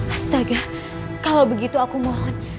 astaga kalau begitu aku mohon